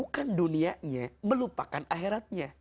dan dunianya melupakan akhiratnya